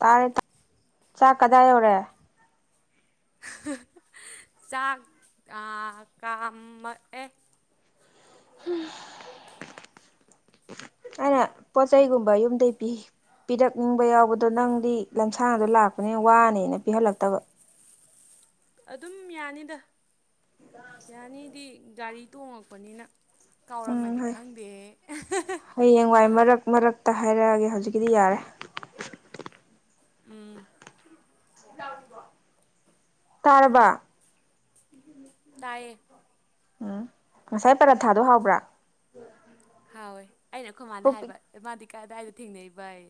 ꯇꯥꯔꯦ ꯆꯥꯛ ꯀꯗꯥꯏ ꯌꯧꯔꯦ ꯆꯥꯛ ꯀꯥꯝꯃꯛꯑꯦ ꯑꯩꯅ ꯄꯣꯠ ꯆꯩꯩꯒꯨꯝꯕ ꯌꯨꯝꯗꯩ ꯄꯤ ꯄꯤꯔꯛꯅꯤꯡꯕ ꯌꯥꯎꯕꯗꯣ ꯅꯪꯗꯤ ꯂꯝꯁꯥꯡꯗꯣ ꯂꯥꯛꯄꯅꯤꯅ ꯋꯥꯅꯦꯅ ꯄꯤꯍꯜꯂꯛꯇꯕ ꯑꯗꯨꯝ ꯌꯥꯅꯤꯗ ꯌꯥꯅꯤꯗꯤ ꯒꯥꯔꯤ ꯇꯣꯡꯉꯛꯄꯅꯤꯅ ꯎꯝ ꯀꯥꯎꯔꯝꯃꯗꯤ ꯍꯣꯏ ꯈꯪꯗꯦ ꯍꯌꯦꯡꯋꯥꯏ ꯃꯔꯛ ꯃꯔꯛꯇ ꯍꯥꯏꯔꯛꯑꯒꯦ ꯍꯧꯖꯤꯛꯀꯤꯗꯤ ꯌꯥꯔꯦ ꯑꯥ ꯇꯔꯤꯕꯣ ꯇꯔꯕꯥ ꯇꯌꯦ ꯎꯝ ꯉꯁꯥꯏ ꯄꯔꯥ ꯊꯥꯗꯣ ꯍꯥꯎꯕ꯭ꯔꯥ ꯍꯥꯎꯋꯦ ꯑꯩꯅ ꯄꯨꯛ ꯑꯩꯈꯃꯥꯟꯗ ꯄꯤꯛ ꯍꯥꯏꯕ ꯑꯦꯃꯥꯗꯤ ꯀꯥꯗꯥꯏꯗ ꯊꯦꯡꯅꯩꯕꯩ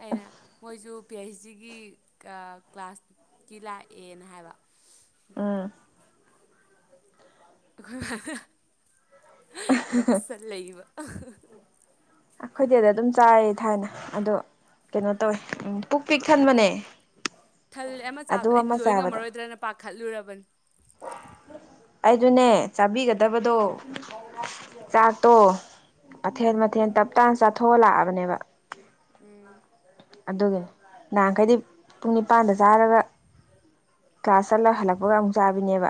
ꯑꯩꯅ ꯃꯣꯏꯁꯨ ꯄꯤ ꯑꯩꯆ ꯗꯤꯒꯤ ꯀ꯭ꯂꯥꯁꯀꯤ ꯂꯥꯛꯑꯦꯅ ꯍꯥꯏꯕ ꯎꯝ ꯑꯩꯈꯣꯏ ꯅꯣꯛꯁꯟ ꯂꯩꯕ ꯑꯩꯈꯣꯏꯗꯤꯗ ꯑꯗꯨꯝ ꯆꯥꯏ ꯊꯥꯏꯅ ꯑꯗꯣ ꯀꯩꯅꯣ ꯇꯧꯋꯦ ꯎꯝ ꯄꯨꯛ ꯄꯤꯛ ꯊꯟꯕꯅꯦ ꯊꯜꯂꯦ ꯑꯃ ꯑꯗꯨ ꯆꯥꯕꯗ ꯑꯃ ꯑꯩꯗꯤ ꯂꯣꯏ ꯆꯥꯕꯗ ꯉꯝꯃꯔꯣꯏꯗ꯭ꯔꯅ ꯄꯥꯈꯠꯂꯨꯔꯕꯅꯤ ꯑꯩꯗꯨꯅꯦ ꯆꯥꯕꯤꯒꯗꯕꯗꯣ ꯆꯥꯛꯇꯣ ꯃꯊꯦꯟ ꯃꯊꯦꯜ ꯇꯞꯇꯥꯥꯅ ꯆꯥꯊꯣꯛ ꯂꯥꯛꯑꯕꯅꯦꯕ ꯎꯝ ꯑꯗꯨꯒꯤꯅꯦ ꯅꯍꯥꯟꯈꯩꯗꯤ ꯄꯨꯡ ꯅꯤꯄꯥꯟꯗ ꯆꯥꯔꯒ ꯀꯥꯁ ꯆꯠꯂꯒ ꯍꯜꯂꯛꯄꯒ ꯑꯃꯨꯛ ꯆꯥꯕꯤꯅꯦꯕ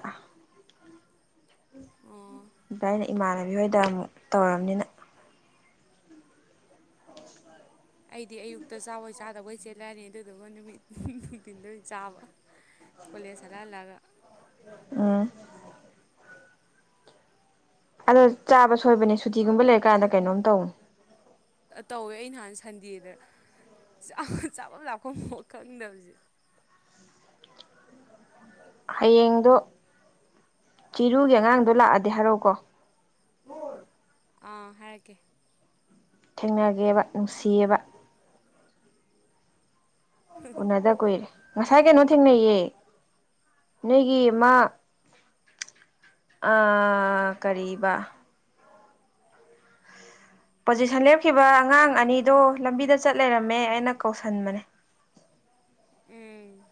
ꯑꯝ ꯑꯗ ꯑꯩꯅ ꯏꯃꯥꯟꯅꯕꯤ ꯍꯣꯏꯗ ꯑꯃꯨꯛ ꯇꯧꯔꯝꯅꯤꯅ ꯑꯩꯗꯤ ꯑꯌꯨꯛꯇ ꯆꯥꯕꯣꯢ ꯆꯥꯗꯕꯣꯢ ꯆꯦꯜꯂꯅꯤ ꯑꯗꯨꯗꯨꯒ ꯅꯨꯃꯤꯠ ꯅꯨꯡꯊꯤꯟꯗ ꯑꯣꯏꯅ ꯆꯥꯕ ꯀꯣꯂꯦꯁ ꯍꯂꯥꯛ ꯍꯂꯥꯛꯑꯒ ꯑꯝ ꯑꯗꯣ ꯆꯥꯕ ꯁꯣꯏꯕꯅꯦ ꯁꯨꯇꯤꯒꯨꯝꯕ ꯂꯩꯔꯀꯥꯟꯗ ꯀꯩꯅꯣꯝ ꯇꯧꯅꯤ ꯇꯧꯋꯦ ꯑꯩ ꯅꯍꯥꯟ ꯁꯟꯗꯦꯗ ꯆꯥꯐꯝ ꯂꯥꯞꯐꯝ ꯈꯪꯗꯕꯁꯦ ꯍꯌꯦꯡꯗꯣ ꯆꯤꯔꯨꯒꯤ ꯑꯉꯥꯡꯗꯣ ꯂꯥꯛꯑꯗꯤ ꯍꯥꯏꯔꯛꯑꯣꯀꯣ ꯑꯥ ꯍꯥꯏꯔꯀꯦ ꯊꯦꯡꯅꯒꯦꯕ ꯅꯨꯡꯁꯤꯌꯦꯕ ꯎꯅꯗ ꯀꯨꯏꯔꯦ ꯉꯁꯥꯏ ꯀꯩꯅꯣ ꯊꯦꯡꯅꯩꯌꯦ ꯅꯣꯏꯒꯤ ꯃꯥ ꯑ ꯀꯔꯤꯕ ꯄꯣꯖꯤꯁꯟ ꯂꯦꯞꯈꯤꯕ ꯑꯉꯥꯡ ꯑꯅꯤꯗꯣ ꯂꯝꯕꯤꯗ ꯆꯠ ꯂꯩꯔꯝꯃꯦ ꯑꯩꯅ ꯀꯧꯁꯟꯕꯅꯦ ꯎꯝ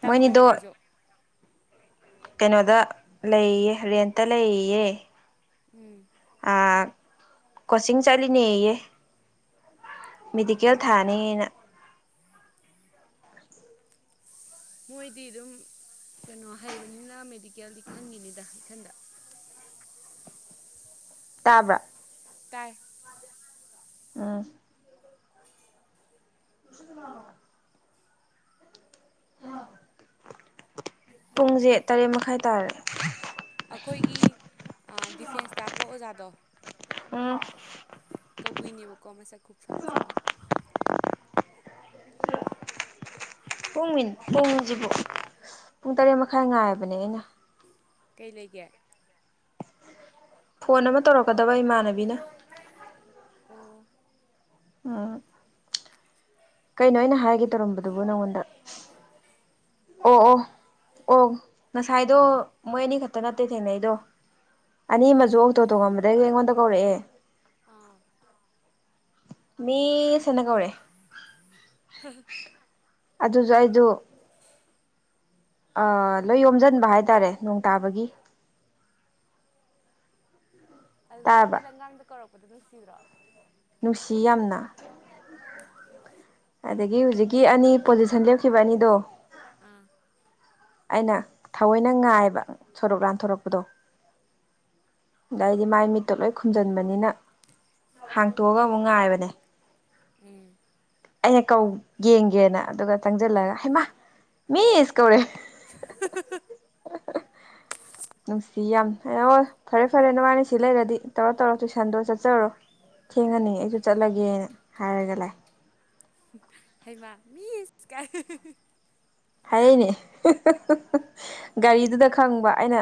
ꯇꯝꯕꯅꯦ ꯃꯣꯏꯅꯤꯗꯣ ꯃꯣꯏꯁꯨ ꯀꯩꯅꯣꯗ ꯂꯩꯌꯦ ꯔꯦꯟꯇ ꯂꯩꯌꯦ ꯎꯝ ꯑꯥ ꯀꯣꯆꯤꯡ ꯆꯠꯂꯤꯅꯦꯌꯦ ꯃꯦꯗꯤꯀꯦꯜ ꯎꯝ ꯊꯥꯅꯤꯅ ꯃꯣꯏꯗꯤ ꯑꯗꯨꯝ ꯀꯩꯅꯣ ꯍꯩꯕꯅꯤꯅ ꯃꯦꯗꯤꯀꯦꯜꯗꯤ ꯈꯟꯒꯤꯅꯤꯗ ꯏꯈꯥꯟꯗ ꯇꯥꯕ꯭ꯔꯥ ꯇꯥꯏ ꯑꯨꯝ ꯁꯤ [inaudible] ꯄꯨꯡꯁꯦ ꯇꯔꯦꯠ ꯃꯈꯥꯏ ꯇꯥꯔꯦ ꯑꯩꯈꯣꯏꯒꯤ ꯗꯤꯐꯦꯟꯁ ꯇꯥꯛꯄ ꯑꯣꯖꯥꯗꯣ ꯎꯝ ꯀꯕꯨꯏꯅꯦꯕꯀꯣ ꯃꯁꯥꯛ ꯈꯨꯐꯖ ꯑꯃ ꯄꯨꯡ ꯃꯤ ꯄꯨꯡꯁꯤꯕꯨ ꯄꯨꯡ ꯇꯔꯦꯠ ꯃꯈꯥꯏ ꯉꯥꯏꯕꯅꯦ ꯑꯩꯅ ꯀꯩ ꯂꯩꯒꯦ ꯐꯣꯟ ꯑꯃ ꯇꯧꯔꯛꯀꯗꯕ ꯏꯃꯥꯟꯅꯕꯤꯅ ꯑꯣ꯫ ꯑꯥ ꯀꯩꯅꯣ ꯑꯩꯅ ꯍꯥꯏꯒꯦ ꯇꯧꯔꯝꯕꯗꯨꯕꯨ ꯅꯪꯉꯣꯟꯗ ꯑꯣ ꯑꯣ ꯑꯣ ꯉꯁꯥꯏꯗꯣ ꯃꯣꯏ ꯑꯅꯤ ꯈꯛꯇ ꯅꯠꯇꯦ ꯊꯦꯡꯅꯩꯗꯣ ꯑꯅꯤ ꯑꯃꯁꯨ ꯑꯣꯛꯇꯣ ꯇꯣꯉꯝꯕꯗꯒꯤ ꯑꯩꯉꯣꯟꯗ ꯀꯧꯔꯛꯑꯦ ꯑꯥꯝ ꯃꯤꯁ ꯑꯅ ꯀꯧꯔꯛꯑꯦ ꯑꯗꯨꯁꯨ ꯑꯩꯗꯣ ꯂꯣꯏ ꯌꯣꯝꯁꯤꯟꯕ ꯍꯥꯏꯇꯥꯔꯦ ꯅꯣꯡ ꯇꯥꯕꯒꯤ ꯑꯗꯨꯃꯥꯏꯅꯒ ꯇꯥꯔꯕ ꯂꯝꯒꯥꯡꯗ ꯀꯧꯔꯛꯄꯗꯣ ꯅꯨꯡꯁꯤꯕ꯭ꯔꯣ ꯅꯨꯡꯁꯤ ꯌꯥꯝꯅ ꯑꯗꯒꯤ ꯍꯧꯖꯤꯛꯀꯤ ꯑꯅꯤ ꯄꯣꯖꯤꯁꯟ ꯂꯦꯞꯈꯤꯕ ꯑꯅꯤꯗꯣ ꯑꯨꯝ ꯑꯩꯅ ꯊꯑꯣꯏꯅ ꯉꯥꯏꯕ ꯁꯣꯔꯣꯛ ꯂꯥꯟꯊꯣꯔꯛꯄꯗꯣ ꯑꯗꯩꯗꯤ ꯃꯥꯏ ꯃꯤꯠꯇꯣ ꯂꯣꯏ ꯈꯨꯝꯖꯤꯟꯕꯅꯤꯅ ꯍꯥꯡꯇꯣꯛꯑꯒ ꯑꯃꯨꯛ ꯉꯥꯏꯕꯅꯦ ꯎꯝ꯫ ꯑꯩꯅ ꯀꯧ ꯌꯦꯡꯒꯦꯅ ꯑꯗꯨꯒ ꯆꯪꯖꯜꯂꯒ ꯍꯩꯃ ꯃꯤꯁ ꯀꯧꯔꯛꯌꯦ ꯍꯥ ꯍꯥ ꯍꯥ꯫ ꯍꯥ ꯍꯥ ꯅꯨꯡꯁꯤ ꯌꯥꯝꯅ ꯐꯔꯦ ꯐꯔꯦ ꯅꯕꯅꯤ ꯁꯤ ꯂꯩꯔꯗꯤ ꯇꯧꯔꯣ ꯇꯧꯔꯣ ꯇꯨꯏꯁꯟꯗꯣ ꯆꯠꯆꯔꯣ ꯊꯦꯡꯉꯅꯤ ꯑꯩꯖꯨ ꯆꯠꯂꯒꯦꯅ ꯍꯥꯏꯔꯒ ꯂꯥꯑꯦ ꯍꯩꯃꯥ ꯃꯤꯁ ꯀꯥꯏ ꯍꯥꯏꯔꯛꯏꯅꯦ ꯍꯥ ꯍꯥ ꯍꯥ ꯍꯥ ꯒꯥꯔꯤꯗꯨꯗ ꯈꯪꯕ ꯑꯩꯅ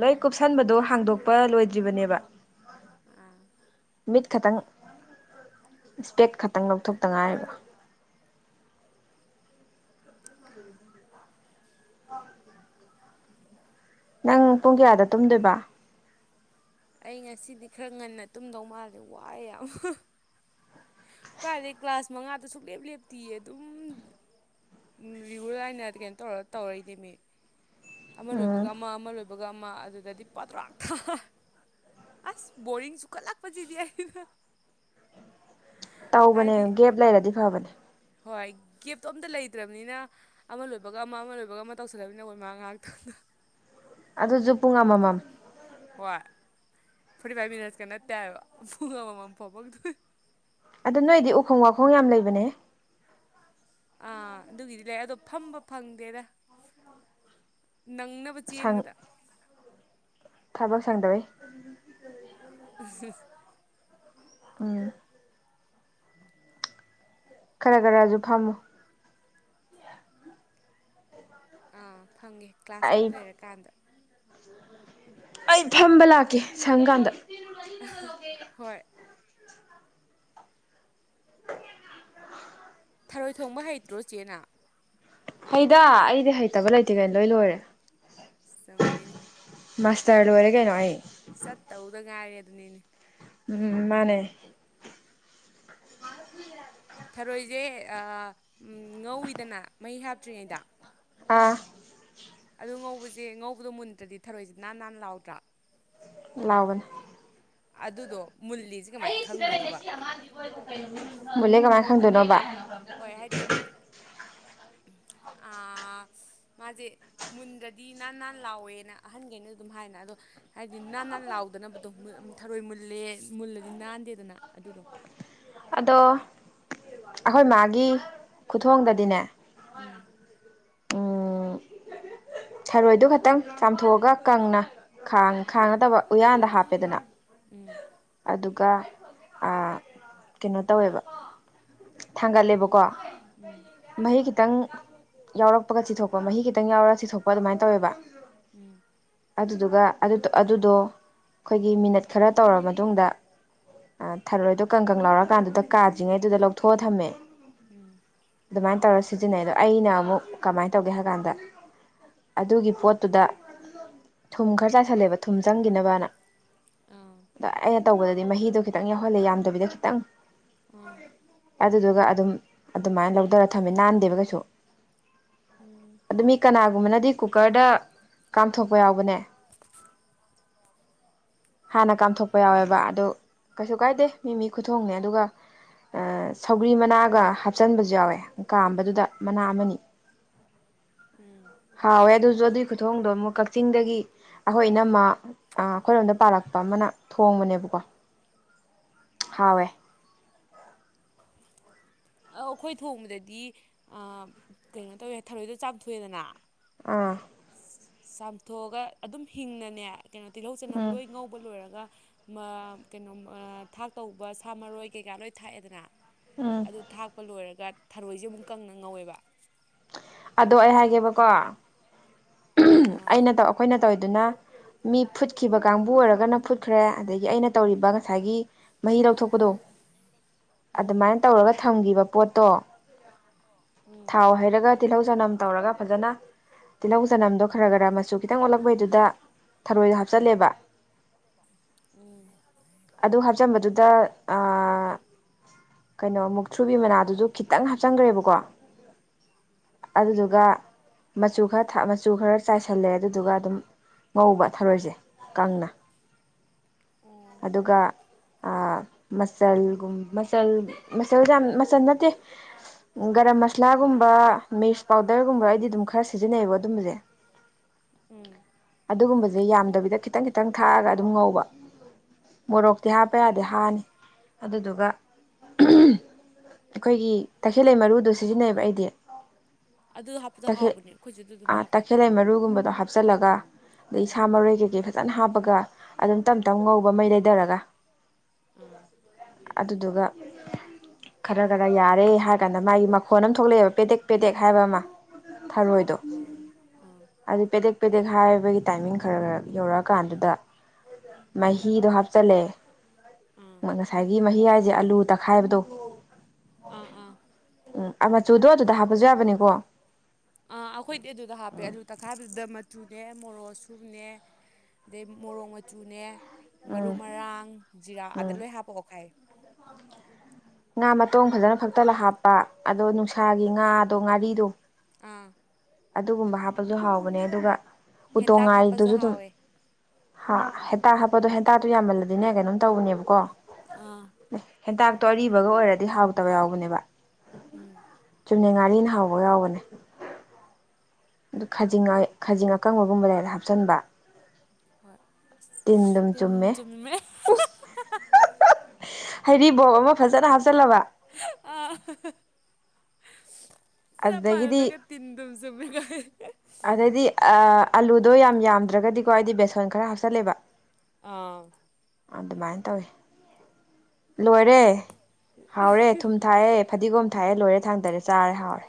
ꯂꯣꯏ ꯀꯨꯞꯁꯟꯕꯗꯣ ꯍꯥꯡꯗꯣꯛꯄ ꯂꯣꯏꯗ꯭ꯔꯤꯕꯅꯦꯕ ꯑꯥ ꯃꯤꯠ ꯈꯇꯪ ꯏꯁꯄꯦꯛ ꯈꯛꯇꯪ ꯂꯧꯊꯣꯛꯇ ꯉꯥꯏꯔꯤꯕ [inaudible] ꯅꯪ ꯄꯨꯡ ꯀꯌꯥꯗ ꯇꯨꯝꯗꯣꯏꯕ꯫ ꯑꯩ ꯉꯁꯤꯗꯤ ꯈꯔ ꯉꯟꯅ ꯇꯨꯝꯗꯧ ꯃꯥꯜꯁꯦ ꯋꯥꯑꯦ ꯌꯥꯝ ꯀꯥꯏꯗꯩ ꯀ꯭ꯂꯥꯁ ꯃꯉꯥꯗꯣ ꯁꯨꯛꯂꯦꯞ ꯂꯦꯞꯇꯤꯌꯦ ꯑꯗꯨꯝ ꯎꯝ ꯔꯤꯒꯨꯂꯔ [unintelligible] ꯑꯃ ꯂꯣꯏꯕꯒ ꯎꯝ ꯑꯃ ꯑꯃ ꯂꯣꯏꯕꯒ ꯑꯃ ꯑꯗꯨꯗꯗꯤ ꯄꯗ꯭ꯔꯥꯛ ꯇꯥꯔꯦ ꯑꯁ ꯕꯣꯔꯤꯡ ꯆꯨꯈꯠꯂꯛꯄꯁꯤꯗꯤ ꯑꯩ ꯇꯧꯕꯅꯦ ꯍꯥꯏꯗꯤ ꯒꯦꯞ ꯂꯩꯔꯗꯤ ꯐꯕꯅꯦ꯫ ꯍꯣꯏ ꯒꯦꯞꯇꯣ ꯑꯝꯇ ꯂꯩꯇ꯭ꯔꯕꯅꯤꯅ ꯑꯃ ꯂꯣꯏꯕꯒ ꯑꯃ ꯑꯃ ꯂꯣꯏꯕꯒ ꯑꯃ ꯇꯧꯁꯜꯂꯕꯅꯤꯅ ꯍꯣꯏꯃꯥ ꯉꯥꯏꯍꯥꯛꯇꯪꯗꯣ ꯑꯗꯨꯖꯨ ꯄꯨꯡ ꯑꯃꯃꯝ ꯍꯣꯏ ꯐꯣꯔꯇꯤ ꯐꯥꯏꯚ ꯃꯤꯅꯠꯁꯀ ꯅꯠꯇꯦ ꯍꯥꯏꯕ ꯄꯨꯡ ꯑꯃꯃꯝ ꯐꯝꯃꯛꯇꯣꯏ ꯑꯗꯨ ꯅꯣꯏꯗꯤ ꯎꯈꯣꯡ ꯋꯥꯈꯣꯡ ꯌꯥꯝ ꯂꯩꯕꯅꯦꯍꯦ ꯑꯥ ꯑꯗꯨꯒꯤꯗꯤ ꯂꯩ ꯑꯗꯣ ꯐꯝꯕ ꯐꯪꯗꯦꯗ ꯅꯪꯅꯕ ꯁꯪ ꯆꯦꯟꯕꯗ ꯊꯕꯛ ꯁꯪꯗꯕꯩ [unintelligible] ꯎꯝ ꯈꯔ ꯈꯔꯖꯨ ꯐꯝꯃꯨ ꯑꯥ ꯐꯝꯒꯦ ꯀ꯭ꯂꯥꯁ ꯑꯣꯞ ꯑꯩ ꯂꯩꯔꯀꯥꯟꯗ ꯑꯩ ꯐꯝꯕ ꯂꯥꯛꯀꯦ ꯁꯪ ꯀꯥꯟꯗ ꯍꯣꯏ ꯊꯔꯣꯏ ꯊꯣꯡꯕ ꯍꯩꯇ꯭ꯔꯣ ꯆꯦ ꯅꯪ ꯍꯩꯗ ꯑꯩꯗꯤ ꯍꯩꯇꯕ ꯂꯩꯇꯦ ꯀꯩꯅ ꯂꯣꯏ ꯂꯣꯏꯔꯦ ꯆꯨꯝꯃꯤꯅꯦ ꯃꯥꯁꯇꯔ ꯂꯣꯏꯔꯦ ꯀꯩꯩꯅꯣ ꯑꯩ ꯆꯠꯇꯧꯗ ꯉꯥꯏꯔꯦ ꯗꯨꯅꯤꯅꯦ ꯎꯝ ꯃꯥꯅꯦ ꯊꯔꯣꯏꯁꯦ ꯉꯧꯋꯤꯗꯅ ꯃꯍꯩ ꯍꯥꯞꯇ꯭ꯔꯤꯉꯩꯗ ꯑꯥ ꯑꯗꯄ ꯉꯧꯕꯁꯦ ꯉꯧꯕꯗꯣ ꯃꯨꯟꯗ꯭ꯔꯗꯤ ꯊꯔꯣꯏꯁꯦ ꯅꯥꯟꯅꯥꯟ ꯂꯥꯎꯗ꯭ꯔꯥ ꯂꯥꯎꯕꯅꯦ ꯑꯗꯨꯗꯣ ꯃꯨꯜꯂꯤꯖꯦ ꯀꯨꯃꯥꯏꯅ ꯈꯪꯗꯣꯏꯅꯣꯕ ꯃꯨꯜꯔꯦ ꯀꯃꯥꯏ ꯈꯪꯗꯣꯏꯅꯣꯕꯥ ꯍꯣꯏ ꯍꯥꯏꯗꯤ ꯑ ꯃꯥꯖꯦ ꯃꯨꯟꯗꯔꯗꯤ ꯅꯥꯟ ꯅꯥꯟ ꯂꯥꯎꯋꯦꯅ ꯑꯍꯟꯈꯩꯅ ꯑꯗꯨꯝ ꯍꯥꯏꯅ ꯑꯗꯣ ꯍꯥꯏꯗꯤ ꯅꯥꯟ ꯅꯥꯟ ꯂꯥꯎꯗꯅꯕꯗꯣ ꯊꯔꯣꯏ ꯃꯨꯜꯂꯦ ꯃꯨꯜꯂꯗꯤ ꯅꯥꯟꯗꯦꯗꯅ ꯑꯗꯨꯗꯣ ꯑꯗꯣ ꯑꯈꯣꯏ ꯃꯥꯒꯤ ꯈꯨꯊꯣꯡꯗꯗꯤꯅꯦ ꯎꯝ ꯊꯔꯣꯏꯗꯣ ꯈꯛꯇꯪ ꯆꯥꯝꯊꯣꯛꯑꯒ ꯀꯪꯅ ꯈꯥꯡ ꯈꯥꯡ ꯅꯠꯇꯕ ꯎꯌꯥꯟꯗ ꯍꯥꯞꯄꯦꯗꯅ ꯎꯝ ꯑꯗꯨꯒ ꯑꯥ ꯀꯩꯅꯣ ꯇꯧꯋꯦꯕ ꯊꯥꯡꯒꯠꯂꯦꯕꯀꯣ ꯎꯝ ꯃꯍꯤ ꯈꯤꯇꯪ ꯌꯥꯎꯔꯛꯄꯒ ꯆꯤꯊꯣꯛꯄ ꯃꯍꯤ ꯈꯤꯇꯪ ꯌꯥꯎꯔꯒ ꯆꯤꯊꯣꯛꯄ ꯀ ꯑꯗꯨꯃꯥꯏꯅ ꯇꯧꯋꯦꯕ ꯎꯝ ꯑꯗꯨꯗꯨꯒ ꯑꯗꯨ ꯑꯗꯨꯗꯣ ꯑꯩꯈꯣꯏꯒꯤ ꯃꯤꯅꯠ ꯈꯔ ꯇꯧꯔꯕ ꯃꯇꯨꯡꯗ ꯊꯔꯣꯏꯗꯣ ꯀꯪꯀꯪ ꯂꯥꯎꯔ ꯀꯥꯟꯗꯨꯗ ꯀꯥꯗ꯭ꯔꯤꯉꯩꯗꯨꯗ ꯂꯧꯊꯣꯛꯑ ꯊꯝꯃꯦ ꯎꯝ ꯑꯗꯨꯃꯥꯏꯅ ꯇꯧꯔ ꯁꯤꯖꯤꯟꯅꯩ ꯑꯗꯣ ꯑꯩꯅ ꯑꯃꯨꯛ ꯀꯃꯥꯏꯅ ꯇꯧꯒꯦ ꯍꯥꯏ ꯀꯥꯟꯗ ꯑꯗꯨꯒꯤ ꯄꯣꯠꯇꯨꯗ ꯊꯨꯝ ꯈꯔ ꯆꯥꯏꯁꯜꯂꯦꯕ ꯊꯨꯝ ꯆꯪꯈꯤꯅꯕꯅ ꯑꯥ ꯑꯗ ꯑꯩꯅ ꯇꯧꯕꯗꯗꯤ ꯃꯍꯤꯗꯣ ꯈꯤꯇꯪ ꯌꯥꯎꯍꯜꯂꯦ ꯌꯥꯝꯗꯕꯤꯗ ꯈꯤꯇꯪ ꯎꯝ ꯑꯗꯨꯗꯨꯒ ꯑꯗꯨꯝ ꯑꯗꯨꯃꯥꯏꯅ ꯂꯧꯊꯔ ꯊꯝꯃꯦ ꯅꯥꯟꯗꯦꯕ ꯀꯩꯁꯨ ꯎꯝ ꯑꯗꯨ ꯃꯤ ꯀꯅꯥꯒꯨꯝꯕꯅꯗꯤ ꯀꯨꯀꯔꯗ ꯀꯥꯝꯊꯣꯛꯄ ꯌꯥꯎꯕꯅꯦ ꯍꯥꯟꯅ ꯀꯥꯝꯊꯣꯛꯄ ꯌꯥꯎꯋꯦꯕ ꯑꯥ ꯑꯗꯨ ꯀꯩꯁꯨ ꯀꯥꯏꯗꯦ ꯃꯤ ꯃꯤ ꯈꯨꯊꯣꯡꯅꯦ ꯑꯗꯨꯒ ꯑꯥ ꯁꯧꯒ꯭ꯔꯤ ꯃꯅꯥꯒ ꯍꯥꯞꯆꯟꯕꯖꯄ ꯌꯥꯎꯋꯦ ꯀꯥꯝꯕꯗꯨꯗ ꯃꯅꯥ ꯑꯃꯅꯤ ꯎꯝ ꯍꯥꯎꯋꯦ ꯑꯗꯨꯁꯨ ꯑꯗꯨꯒꯤ ꯈꯨꯊꯣꯡꯗꯣ ꯑꯃꯨꯛ ꯀꯛꯆꯤꯡꯗꯒꯤ ꯑꯩꯈꯣꯏ ꯏꯅꯝꯃ ꯑꯩꯈꯣꯏꯔꯣꯝꯗ ꯄꯥꯜꯔꯛꯄ ꯑꯃꯅ ꯊꯣꯡꯕꯅꯦꯕꯀꯣ ꯑꯥ ꯍꯥꯎꯋꯦ ꯑꯧ ꯑꯩꯈꯣꯏ ꯊꯣꯡꯕꯗꯗꯤ ꯑꯥ ꯀꯩꯅꯣ ꯇꯧꯋꯦ ꯊꯔꯣꯏꯗ ꯆꯥꯝꯊꯣꯛꯑꯦꯗꯅ ꯑꯥ ꯆꯥꯝꯊꯣꯛꯑꯒ ꯑꯗꯨꯝ ꯍꯤꯡꯅꯅꯦ ꯀꯩꯅꯣ ꯇꯤꯜꯍꯧ ꯆꯅꯝ ꯎꯝ ꯂꯣꯏ ꯉꯧꯕ ꯂꯣꯏꯔꯒ ꯀꯩꯅꯣ ꯊꯥꯛ ꯇꯧꯕ ꯁꯥ ꯃꯔꯣꯏ ꯀꯩꯀꯥ ꯂꯣꯏ ꯊꯥꯛꯑꯦꯗꯅ ꯎꯝ ꯑꯗꯨ ꯊꯥꯛꯄ ꯂꯣꯏꯔꯒ ꯊꯔꯣꯏꯁꯦ ꯑꯃꯨꯛ ꯀꯪꯅ ꯉꯧꯋꯦꯕ ꯑꯗꯣ ꯑꯩ ꯍꯥꯏꯒꯦꯕꯀꯣ ꯑꯥ ꯑꯩꯅ ꯑꯩꯈꯣꯏꯅ ꯇꯧꯔꯤꯗꯨꯅ ꯃꯤ ꯐꯨꯠꯈꯤꯕ ꯀꯥꯡꯕꯨ ꯑꯣꯏꯔꯒꯅ ꯐꯨꯠꯈ꯭ꯔꯦ ꯑꯗꯒꯤ ꯑꯩꯅ ꯇꯧꯔꯤꯕ ꯉꯁꯥꯏꯒꯤ ꯃꯍꯤ ꯂꯧꯊꯣꯛꯄꯗꯣ ꯎꯝ ꯑꯗꯨꯃꯥꯏꯅ ꯇꯧꯔꯒ ꯊꯝꯈꯤꯕ ꯄꯣꯠꯇꯣ ꯎꯝ ꯊꯥꯎ ꯍꯩꯔꯒ ꯇꯤꯜꯍꯧ ꯆꯅꯝ ꯇꯧꯔꯒ ꯐꯖꯅ ꯇꯤꯜꯍꯧ ꯆꯅꯝꯗꯣ ꯈꯔ -ꯈꯔ ꯃꯆꯨ ꯈꯤꯇꯪ ꯑꯣꯜꯂꯛꯄꯩꯗꯨꯗ ꯊꯔꯣꯏꯗꯣ ꯍꯥꯞꯆꯤꯜꯂꯦꯕ ꯎꯝ ꯑꯗꯨ ꯍꯥꯞꯆꯟꯕꯗꯨꯗ ꯑ ꯀꯩꯅꯣ ꯃꯨꯛ ꯊ꯭ꯔꯨꯕꯤ ꯃꯅꯥꯗꯨꯁꯨ ꯈꯤꯇꯪ ꯍꯥꯞꯆꯟꯈ꯭ꯔꯦꯕꯀꯣ ꯑꯗꯨꯗꯨꯒ ꯃꯆꯨ ꯈꯔ -ꯃꯆꯨ ꯈꯔ ꯆꯥꯏꯁꯜꯂꯦ ꯑꯗꯨꯗꯨꯒ ꯑꯗꯨꯝ ꯉꯧꯕ ꯊꯔꯣꯏꯁꯦ ꯀꯪꯅ ꯑꯣ ꯑꯗꯨꯒ ꯃꯆꯜꯒꯨꯝ ꯃꯆꯜ ꯃꯆꯜꯁ ꯌꯥꯝ ꯃꯆꯜ ꯅꯠꯇꯦ ꯒꯔꯝ ꯃꯁꯂꯥꯒꯨꯝꯕ ꯃꯤꯔꯆ ꯄꯥꯎꯗꯔꯒꯨꯝꯕ ꯑꯩꯗꯤ ꯑꯗꯨꯝ ꯈꯔ ꯁꯤꯖꯤꯟꯅꯩꯌꯦꯕ ꯑꯗꯨꯝꯕꯁꯦ [unintelligible] ꯎꯝ ꯑꯗꯨꯒꯨꯝꯕꯁꯦ ꯌꯥꯝꯗꯕꯤꯗ ꯈꯤꯇꯪ -ꯈꯤꯇꯪ ꯊꯥꯛꯑꯒ ꯑꯗꯨꯝ ꯉꯧꯕ ꯃꯣꯔꯣꯛꯇꯤ ꯍꯥꯞꯄ ꯌꯥꯗꯦ ꯍꯥꯅꯤ ꯑꯗꯨꯗꯨꯒ ꯑꯩꯈꯣꯏꯒꯤ ꯇꯈꯦꯜꯂꯩ ꯃꯔꯨꯗꯨ ꯁꯤꯖꯤꯟꯅꯩꯌꯦꯕ ꯑꯩꯗꯤ ꯑꯗꯨ ꯍꯥꯞꯄꯗꯣ ꯍꯥꯎꯕꯅꯦ ꯑꯩꯈꯣꯏꯁꯨ ꯑꯗꯨ ꯑꯗꯨꯝ ꯍꯥꯞꯄꯦ ꯇꯥꯈꯦꯜꯂꯩ ꯃꯔꯨꯒꯨꯝꯕꯗꯣ ꯍꯥꯞꯆꯤꯜꯂꯒ ꯑꯗꯩ ꯁꯥ ꯃꯔꯣꯏ ꯀꯩꯀꯩ ꯐꯖꯅ ꯍꯥꯞꯄꯒ ꯑꯗꯨꯝ ꯇꯞ -ꯇꯞ ꯉꯧꯕ ꯃꯩ ꯂꯩꯊꯔꯒ ꯎꯝ ꯑꯗꯨꯗꯨꯒ ꯈꯔ- ꯈꯔ ꯌꯥꯔꯦ ꯍꯥꯏꯔ ꯀꯥꯟꯗ ꯃꯥꯒꯤ ꯃꯈꯣꯟ ꯑꯃ ꯊꯣꯛꯂꯛꯑꯦꯕ ꯄꯦꯗꯦꯛ- ꯄꯦꯗꯦꯛ ꯍꯥꯏꯕ ꯑꯃ ꯊꯔꯣꯏꯗꯣ ꯑꯥ ꯑꯥ ꯑꯗꯨ ꯄꯦꯗꯦꯛ -ꯄꯦꯗꯦꯛ ꯍꯥꯏꯕꯒꯤ ꯇꯥꯏꯃꯤꯡ ꯈꯔ- ꯈꯔ ꯌꯧꯔꯛꯑꯀꯥꯟꯗꯨꯗ ꯃꯍꯤ ꯃꯍꯤꯗꯣ ꯍꯥꯞꯆꯤꯜꯂꯦ ꯑꯥ ꯉꯁꯥꯏꯒꯤ ꯃꯍꯤ ꯍꯥꯏꯁꯦ ꯑꯂꯨ ꯇꯛꯈꯥꯏꯕꯗꯣ ꯑ ꯑ ꯎꯝ ꯃꯆꯨꯗꯣ ꯑꯗꯨꯗ ꯍꯥꯞꯄꯁꯨ ꯌꯥꯕꯅꯤꯀꯣ ꯑ ꯑꯩꯈꯣꯏꯗꯤ ꯑꯗꯨꯗ ꯍꯥꯞꯄꯦ ꯑꯂꯨ ꯇꯛꯈꯥꯏꯕꯗꯨꯗ ꯃꯆꯨꯅꯦ ꯃꯣꯔꯣꯛ ꯑꯁꯨꯕꯅꯦ ꯑꯗꯩ ꯃꯣꯔꯣꯡ ꯃꯆꯨꯅꯦ ꯃꯔꯨ ꯎꯝ ꯃꯔꯥꯡ ꯖꯤꯔꯥ ꯑꯗ ꯎꯝ ꯂꯣꯏ ꯍꯥꯞꯄ ꯑꯣꯠꯈꯥꯏ ꯉꯥ ꯃꯇꯣꯡ ꯐꯖꯅ ꯐꯛꯇꯂ ꯍꯥꯞꯄ ꯑꯗꯣ ꯅꯨꯡꯁꯥꯒꯤ ꯉꯥꯗꯣ ꯉꯥꯔꯤꯗꯣ ꯑꯥ ꯑꯗꯨꯒꯨꯝꯕ ꯍꯥꯞꯄꯁꯨ ꯍꯥꯎꯕꯅꯦ ꯑꯗꯨꯒ ꯎꯇꯣꯡ ꯍꯦꯟꯇꯥꯛ ꯍꯥꯞꯄꯁꯨ ꯉꯥꯏꯗꯨꯁꯨ ꯑꯗꯨꯝ ꯍꯥꯎꯋꯦ ꯍꯥ ꯍꯦꯟꯇꯥꯥꯛ ꯍꯥꯞꯄꯗꯣ ꯍꯦꯟꯇꯥꯛꯇꯣ ꯌꯥꯝꯃꯜꯂꯗꯤꯅꯦ ꯀꯩꯅꯣꯝ ꯇꯧꯕꯅꯦꯕꯀꯣ ꯑꯥ ꯍꯦꯟꯇꯥꯛꯇꯣ ꯑꯔꯤꯕꯒ ꯑꯣꯏꯔꯗꯤ ꯍꯥꯎꯇꯕ ꯌꯥꯎꯕꯅꯦꯕ ꯎꯝ ꯆꯨꯝꯅ ꯉꯥꯔꯤꯅ ꯍꯥꯎꯕ ꯌꯥꯎꯕꯅꯦ ꯑꯗꯨ ꯈꯖꯤꯡ- ꯈꯖꯤꯡ ꯑꯀꯪꯕꯒꯨꯝꯕ ꯂꯩꯔ ꯍꯥꯞꯆꯤꯟꯕ ꯍꯣꯏ ꯑꯁ ꯇꯤꯟ ꯆꯨꯝꯃꯦ ꯍꯥꯔꯤꯕꯣꯞ ꯑꯃ ꯐꯖꯅ ꯍꯥꯞꯆꯤꯜꯂꯕ ꯑ ꯆꯞ ꯑꯗꯨꯗꯒꯤꯗꯤ ꯃꯥꯟꯅꯗꯒ ꯇꯤꯟꯗꯨꯝ ꯆꯨꯝꯃꯦꯒ ꯑꯗꯩꯗꯤ ꯑꯂꯨꯗꯣ ꯌꯥꯝ ꯌꯥꯝꯗ꯭ꯔꯒꯗꯤꯀꯣ ꯑꯩꯗꯤ ꯕꯦꯁꯣꯟ ꯈꯔ ꯍꯥꯞꯆꯜꯂꯦꯕ ꯑ ꯑꯗꯨꯃꯥꯏꯅ ꯇꯧꯋꯤ ꯂꯣꯏꯔꯦ ꯍꯥꯎꯔꯦ ꯊꯨꯝ ꯊꯥꯏꯑ ꯐꯗꯤꯒꯣꯝ ꯊꯥꯏꯑꯌꯦ ꯂꯣꯏꯔꯦ ꯊꯥꯡꯗꯔꯦ ꯆꯥꯔꯦ ꯍꯥꯎꯔꯦ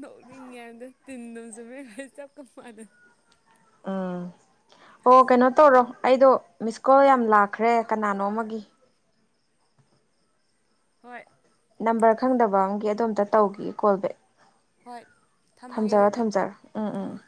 ꯅꯣꯛꯅꯤꯡꯉꯦꯗꯣ ꯇꯤꯟꯗꯝ ꯆꯨꯃꯦ ꯆꯞꯀꯞ ꯃꯥꯟꯅ ꯎꯝ ꯑꯣ ꯀꯩꯅꯣ ꯇꯧꯔꯣ ꯑꯩꯗꯣ ꯃꯤꯁ ꯀꯣꯜ ꯌꯥꯝ ꯂꯥꯛꯈ꯭ꯔꯦ ꯀꯅꯥꯅꯣ ꯑꯃꯒꯤ ꯍꯣꯏ ꯅꯝꯕꯔ ꯈꯪꯗꯕ ꯑꯃꯒꯤ ꯑꯗꯣꯝꯇ ꯇꯧꯒꯦ ꯀꯣꯜ ꯕꯦꯛ ꯍꯣꯏ ꯊꯝꯃꯒꯦ ꯊꯝꯖꯔꯣ ꯑꯗꯨꯗꯤ ꯊꯝꯖꯔꯣ ꯎꯝ ꯎꯝ